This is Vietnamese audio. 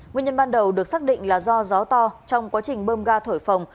nguyên nhân ban đầu được xác định là do gió to trong quá trình bơm ga thổi phòng